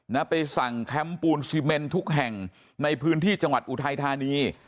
นะไปสั่งแคมป์ปูนซีเมนทุกแห่งในพื้นที่จังหวัดอุทัยธานี